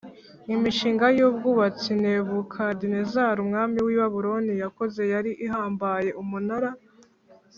imishinga y ubwubatsi Nebukadinezari umwami w i Babuloni yakoze yari ihambaye Umunara